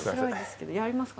やりますか？